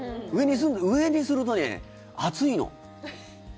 上にするとね、暑いの。